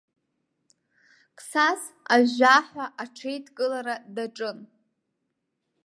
Қсас ажәжәаҳәа аҽеидкылара даҿын.